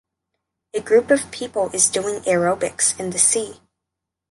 A group of people is doing aerobics in the sea.